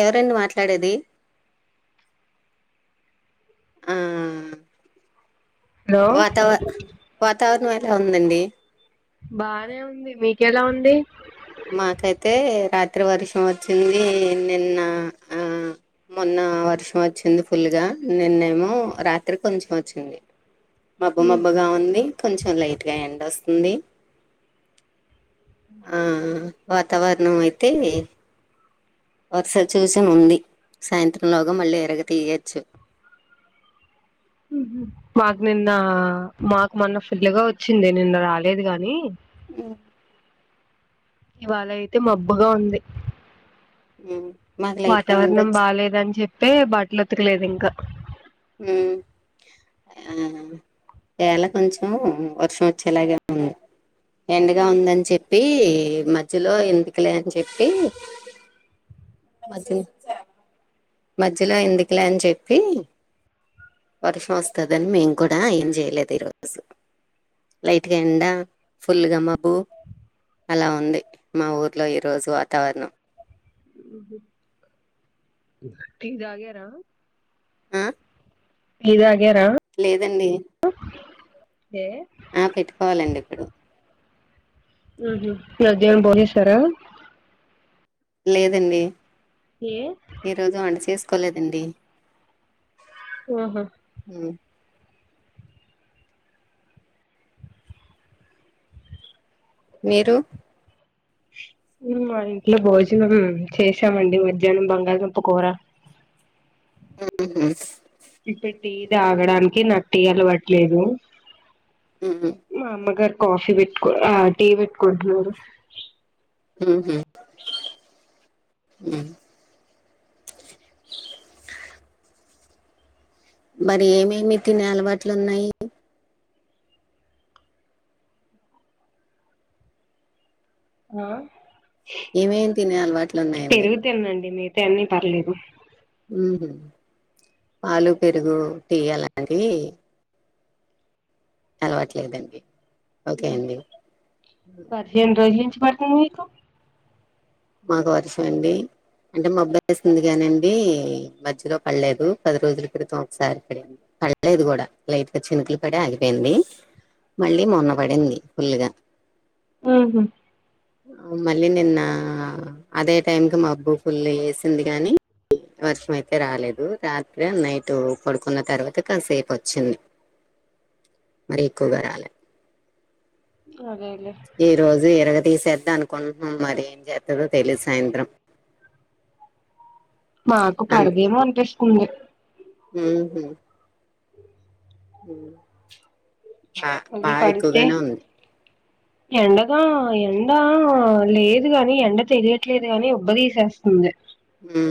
ఎవరండి మాట్లాడేది? ఆ హలో వాతావ వాతావరణ ఏ ట ఉందండి బానే ఉంది. మీకెలా ఉంది? మాకైతే రాత్రి వర్షం వచ్చింది. నిన్న ఆ మొన్న వర్షం వచ్చింది ఫుల్గా, నిన్నేమో రాత్రి కొంచెం వచ్చింది. మబ్బు మబ్బుగా ఉంది, కొంచం లైట్గా ఎండొస్ ఉంది ఆ ఆ వాతావరణం అయితే వర్స చూచన ఉంది. సాయంత్రం లోగ మళ్ళీ ఇరగ తీయొచ్చు. ఉహు మాకు నిన్నా, మాకు మొన్న ఫుల్గా వచ్చింది, నిన్న రాలేదు గాని. మ్ ఇవాళయితే మబ్బుగా ఉంది. ఉమ్, మాకు లైట్ గా ఎండ వాతావరణం వచ్చి బాలేదని చెప్పే బట్లు ఉతకలేదు ఇంక. ఉమ్ ఆ వేళ కొంచెం వర్షం వచ్చేలాగే ఉ ఎండగా ఉందని చెప్ పీ మధ్యలో ఎందుకిలే అని చెప్పి మధ్యన్ మధ్యలో ఎందుకులే అని చెప్పి వర్షం వస్తదని మేం కూడా ఏం చేయలేదు ఈరోజు. లైట్గా ఎండ, ఫుల్గా మబ్బు అలా ఉంది మా ఊర్లో ఈ రోజు వాతావరణం. ఉహు టీ తాగార? ఆ టి తాగారా? లేదండి ఏ ఆ పెట్టుకోవలండి ఇప్పుడు. ఉహు మధ్యానం బొంజెసార? లేదండి. ఏ ఈరోజు వంట చేసుకోలేదండి. ఆహ ఉ మీరు మేం మా ఇంట్లో భోజనం చేశామండి మధ్యానం బంగళదుంప కూర. ఉహు ఇప్పుడు టీ తాగడానికి నాకు టీ అలవాట్ లేదు. ఉమ్. మా అమ్మగారు కాఫీ పెట్ ఆ టీ పెట్టుకుంటున్నారు. ఉహు ఉ మరి ఏమేమి తినే అలవాట్లు ఉన్నయి? ఆ ఏమేమి తినే అలవాట్లు ఉన్నాయండి పెరుగు తిన్నండి. మీర్ తే అన్నీ పర్లేదు ఉహు పాలు, పెరుగు, టీ అలాంటివి అలవాట్లేదండి ఓకే అండి పదిహేను రోజులనుంచి పడుతుంది మీకు మాకు వరుస అండి అంటే మబ్బు ఎత్తేస్తుంది కానండి మధ్యలో పడలేదు పది రోజుల క్రితం ఒకసారి [unintelligible] పడలేదు కూడా లైట్ గా చినుకులు పడి ఆగిపోయింది మళ్ళీ మొన్న పడింది ఫుల్గా హ మళ్ళీ నిన్న అదే టైంకి మబ్బు ఫుల్ వేసింది గాని వర్షం అయితే రాలేదు రాత్రి నైట్ పడుకున్న తర్వాత కాసేపు వచ్చింది మరి ఎక్కువగా రాలే [unintelligible] ఈ రోజు ఇరగ తీసేద్దామను కొన్నం మరి ఏం చేస్తారో తెలీదు సాాయంత్రం మాకు పడదేమో అనిపిస్తుంది హుహు బా మళ్ళీ బాగా పడితే ఎక్కువగానే ఉంది ఎండగా ఎండ లేదు గాని ఎండ తెలియట్లేదు గాని ఉబ్బ తీీసేస్తుంది హు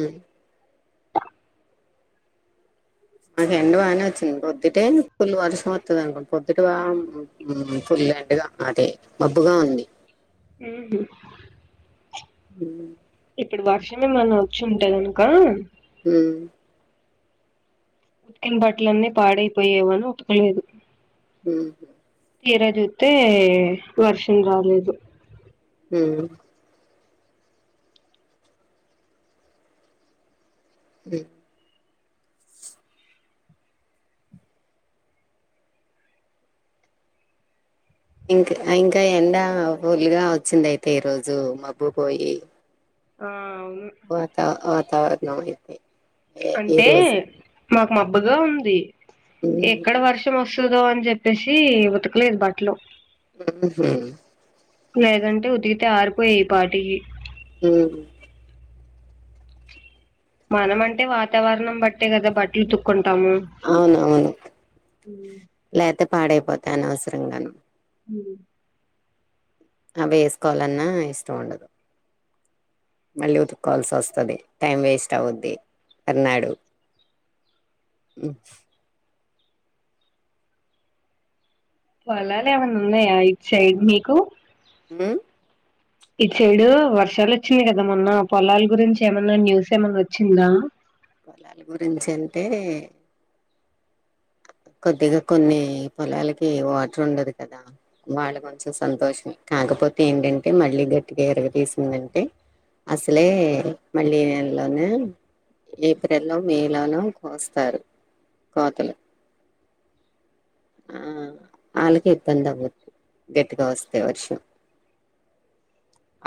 మాకు ఎండ బాగానే వచ్చింది పొద్దుటే పుల్ వర్షం వస్తది అనుకోంటీ పొద్దుటి బాు [unintelligible] అదే మబ్బుగా ఉంది ఉహు [inaudible] ఇప్పుడు వర్షం ఏమన్నా వచ్చి ఉంటే కనుక హు ఉతికిన బట్టలన్నీ పాడైపోయేవని ఉతకలేదు [unintelligible] తీర చూస్తే వర్షం రాలేదు హు [unintelligible] ఇంకా ఇంకా ఎండ ఫుల్గా వచ్చింది అయితే ఈ రోజు మబ్బు పోయి ఆ అవును వాతా వాతావరణం అయితే ఏ అంటే ఈరోజు మాకు మబ్బుగా ఉంది ఉమ్ ఎక్కడ వర్షం వస్తు వస్తుదో అని చెప్పేసి ఉతకలేదు బట్టలో ఉహు లేదంటే ఉదికితే ఆ ఈ పాటికి ఉహు మనం అంటే వాతావరణం బట్టే కదా బట్టలు ఉతుక్కుంట అవునవును లేతే పాడైపోతా అనవసరంగాను [inaudible] అవి వేసుకోవాలన్నా ఇష్టం ఉండదు మళ్ళీ ఉతుక్కోవాల్సి వస్తుంది టైం వేస్ట్ అవుద్ది అన్నాడు [inaudible] పొలాలు ఏమైన్నా ఉన్నాయా ఇటు సైడ్ మీకు హు ఇటు సైడ్ వర్షాలు వచ్చినాయి కదా మొన్న పొలాల గురించి ఏమన్నా న్యూస్ ఏమన్నా వచ్చిందా పొలాల గురించి అంటే కొద్దిగా కొన్ని పొలాలకి వాటర్ ఉండదు కదా వాళ్ళు కొంచెం సంతోషం కాకపోతే ఏంటంటే మళ్ళీ గట్టిగా ఇరగ తీీసిందంటే అసలే మళ్ళీ ఈ నెల్లోనే ఏప్రిల్ లో మే లోనో కోస్తారు కోతలు ఆ వాళ్ళకి ఇబ్బంది అవ్వద్దు గట్టిగా వస్తే వర్షం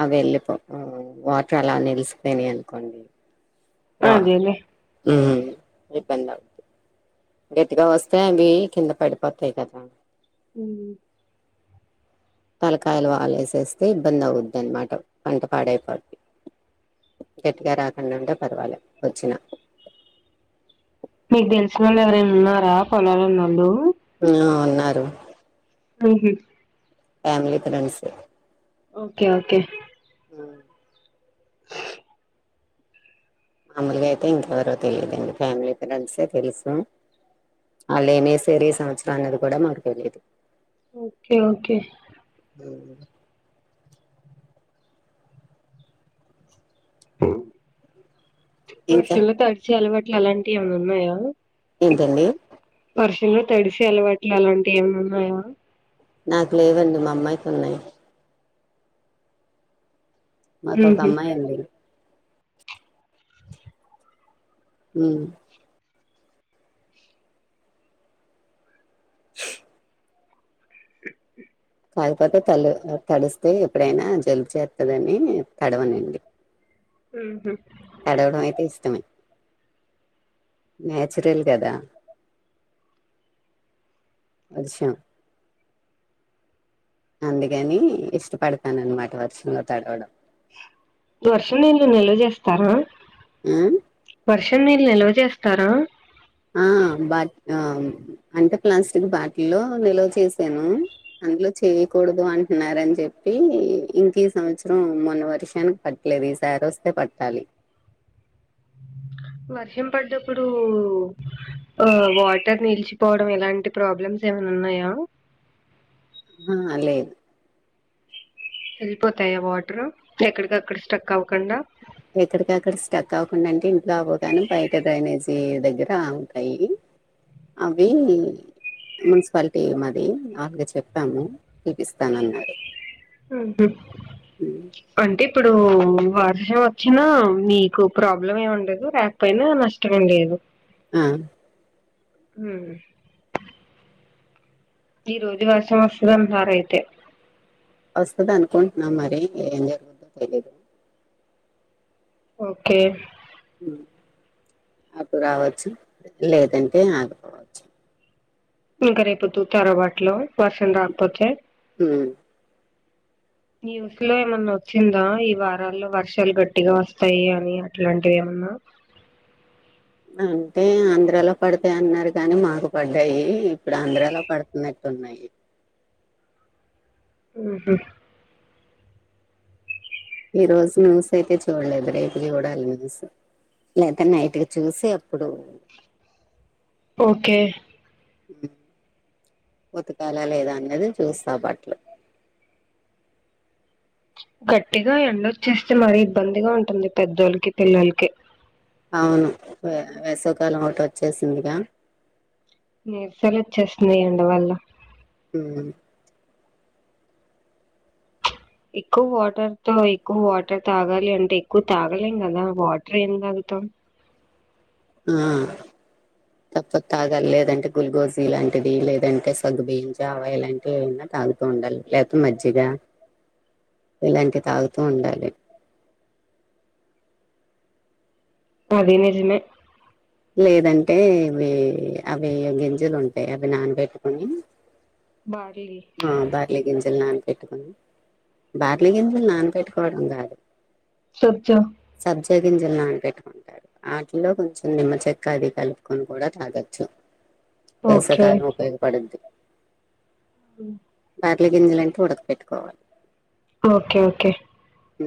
అవి వెళ్ళిపో వాటర్ అలా నిల్సిపినాయి అనుకోండి వా అదేలే ఆ ఇబ్బంది అవుద్ధి గట్గా వస్తే అవి కింద పడిపోతాయి కద ఉహు తలకాయలు వాలేసేస్తే ఇబ్బంది అవుద్ అనమాట పంట పాడైపో గట్టిగా రాకుండా ఉంటే పర్వాలి వచ్చినా మీకు తెలిసిన వాళ్ళు ఎవరైనా ఉన్నారా పొలాలు ఉన్నోళ్ళు ఆ ఉన్నారు ఉహు ఫ్యామలీ ఫ్రెండ్స్ ఓకే ఓకే మామూలుగా అయితే ఇంకెవరో తెలిదండి ఫ్యామిలీ ఫ్రెండ్సే తెలుసు అల్లెమేసేది సంవత్సరం అనేది కూడా మాకు తెలియదు ఓకే ఓకే ఉహు ఇంకా వేషాల్లో తడిచే అలవాట్లు అలాంటివి ఏమన్నా ఉన్నాయా ఏంటండి వర్షంలో తడిసి అలవాట్లు అలాంటివి ఏమి ఉన్నాయా నాకు లేవండి మా అమ్మాయికి ఉన్నాయి మాకు ఒక ఉహు అమ్మాయి ఉంది ఉమ్ కయ పత తల తడిస్తే ఎప్పుడైనా జలుబు చేత్తదని తడవనండి ఉహు తడవడం అయితే ఇష్టమే నేచురల్ కదా వర్షం అందుకని ఇష్టపడతాననామాట వర్షంలో తడవడం వర్షం నీళ్లు నిలవ చేస్తారా ఉమ్ వర్షం నీళ్ళు నిల్వ చేస్తారా ఆ బా ఆ అంటే ప్లాస్టిక్ బాటిల్లో నిల్వ చేసాను అందులో చేయకూడదు అం ఉన్నారని చెప్పి ఇంక ఈ సంవత్సరం మొన్న వర్షానికి పట్టలేదు ఈ సారి వస్తే పట్టాలి వర్షం పడ్డప్పుడు ఆ వాటర్ నిలిచిపోవడం ఎలాంటి ప్రాబ్లమ్స్ ఏమన్నా ఉన్నాయా ఆ లేదు వెళ్ళిపోతాయా వాటరు ఎక్కడికక్కడ స్టక్ అవ్వకండా ఎక్కడికక్కడ స్టక్ అవకుండా అంటే ఇంట్లో అవావ్ గానీ బయట డ్రైనేజీ దగ్గర ఉంటాయి అవి మున్సిపాలిటీ మాది అగ్డ చెప్పాము తిపిస్తానన్నాడు ఆహా అంటే ఇప్పుడు వర్షం వచ్చినా మీకు ప్రాబ్లం ఏమి ఉండదు రాకపోయినా నష్టంమేం లేదు ఆ ఉమ్ ఈ రోజు వర్షం వస్తదంటున్నారు అయితే వస్తది అనుకుంటున్నాం మరి ఏం జరుగుద్దో తెలీదు ఓకే అప్పుడు రావచ్చు లేదంటే ఆగిపోవచ్చు ఇంక రేపు ఉతుకుతారా బట్టలు వర్షం రాకపోతే మ్ అ న్యూస్ లో ఏమన్నా వచ్చిందా ఈ వారాల్లో వర్షాలు గట్టిగా వస్తాయి అని అట్లాంటివి ఏమన్నా అంటే ఆంధ్రాలో పడతాయి అన్నారు కాని మాకు పడ్డాయి ఇప్పుడు ఆంధ్రాలో పడుతున్నట్టు ఉన్నాయి ఉమ్ హు ఈ రోజు న్యూస్ అయితే చూడలేదు రేపు చూడాలి న్యూస్ లేదా నైట్ కి చూసి అప్పుడు ఓకే ఉతకాల లేదా అన్నది చూస్తా బట్లు గట్టిగా ఎండొచ్చేస్తే మరి ఇబ్బందిగా ఉంటుంది పెద్దోళ్లకి పిల్లలకి అవును వే వేసవికాలం ఒకటి వచ్చేసిందిగా నీరసాలు వచ్చేస్తున్నాయ్ ఎండ వల్ల మ్ ఎక్కువ వాటర్ తో ఎక్కువ వాటర్ తాగాలి అంటే ఎక్కువ తాగలేం కదా వాటర్ ఏం త త్తం ఆ త కొత్తాగాలి లేదంటే గుల్గోజీ ఇలాంటిది లేదంటే సగ్గుబీంజావ ఇలాంటివి ఏవనా తాగుతూ ఉండాలి లేకపోతే మజ్జిగా ఇలాంటి తాగుతూ ఉండాలి అది నిజమే లేదంటే ఇవి అవి గింజలు ఉంటాయి అవి నానబెట్టుకొని బార్లీ ఆ బార్లే గింజల్ నాన్ పెట్టుకుని బార్లే గింజలు నానబెట్టుకోవడం కాదు సబ్జా జగింజలు నానపెట్టుకుంటారు ఆటిలో కొంచెం నిమ్మ చెక్క అది కలుపుకొని కూడా తాగొచ్చు ఓకే వేసవికాలం ఉపయోగపడుద్ది మ్ బార్లే గింజలు అంటే ఉడకపెట్టుకోవాలి ఓకే ఓకే మ్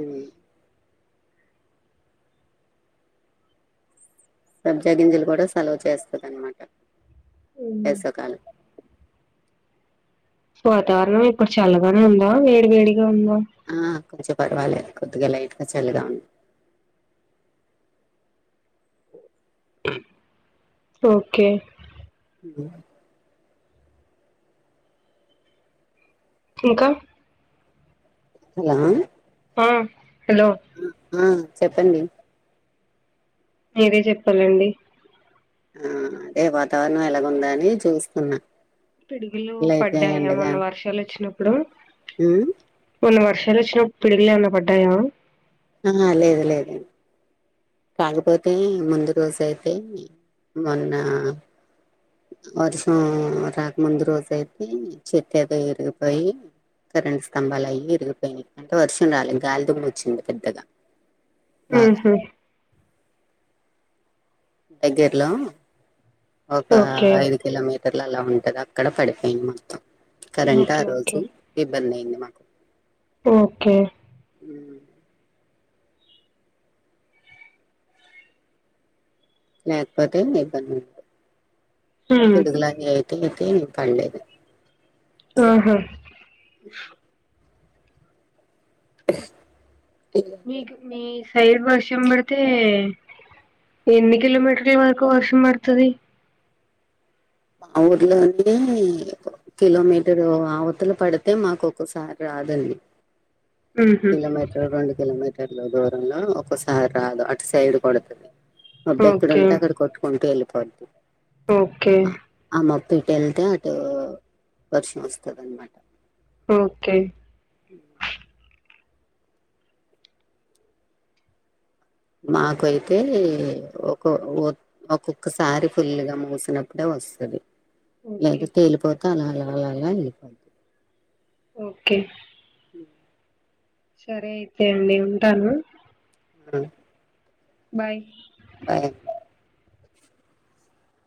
సబ్జాగింజీలు కూడా సెలవు చేస్తది అనమాట మ్మ్ వేసవి కాలం వాతావరణం ఇప్పుడు చల్లగానే ఉందా వేడి వేడిగా ఉందా ఆ కొంచెం పర్వాలేదు కొద్దిగా లైట్ గా చల్లగా ఉం ఓకే ఉ ఇంకా హలో ఆ హలో ఆ చెప్పండి మీరే చెప్పాలండి ఆ అదే వాతావరణం ఎలాగుందా అని చూస్తున్నా పిడుగులు లైట్ పడ్డాయా మొన్న వర్షాలు వచ్చినప్పుడు హ్మ్ మొన్న వర్షాలు వచ్చినా పిడుగులేమన్న పడ్డాయా ఆ లేదు లేదడి కాకపోతే ముందు రోజయితే మొన్న వర్షం రాకముందు రోజయితే చెట్టే దో ఇరిగిపోయి కరెంట్ స్తంబాలు అయ్యి ఇయ్యి విరిగిపోయినాయి అంటే వర్షం రాలేదు గాలిదుమ్ము ఓచ్చింది పెద్దగా బాగా ఆహా దగ్గర్లో ఒక ఓకే ఐదు కిలోమీట ర్లు అలా ఉంటది అక్కడ పడిపోయింది మొత్తం కరెంట్ ఆ ఓకే రోజు ఓకే ఇబ్బంది అయింది మాకు ఓకే ఉ లేకపోతే ఇబంధిండు ఉమ్ పిడుగుల అ అయితే నేను పడలేదు ఆహా మీ మీ సైల్ వర్షంబడితే ఎన్ని కిలోమీటర్లు వరకు వర్షం పడుతుది మా ఊర్ల కిలోమీటరు ఆవతల పడితే మాకు ఒకక్కసారి రాదండి ఉహు కిమీటర్ రెండు కిమీటర్లో దూ లో ఒ ఒకసారి రాదు అటు సైడ్ కొడుతుంది మబ్బా ఓకే ఎక్కడంటే అక్కడ కొట్టుకుంటూ వెళ్ళిపోవత ఓకే ఎటెలితే అటు వర్షం వస్తంది అన్నమాట ఓకే హ మాకైతే ఒక ఒక్కొక్కసారి ఫుల్గా మూసినప్పుడేఒత్ వస్తుంది ఓకే లేదా తేలిపోతే అని అలా అలాలా వెళ్ళిపోద్ది ఓకే సరే అయితే అండి ఉంటాను ఆ బాయ్ అ